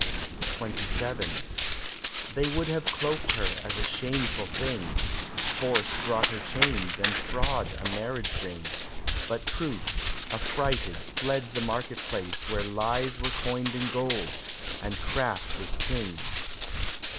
XXVII They would have cloaked her as a shameful thing; Force brought her chains, and Fraud a marriage ring, But Truth, affrighted, fled the market place Where lies were coined in gold, and Craft was king.